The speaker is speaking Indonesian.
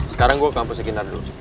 sekarang gue ke kampus kinar dulu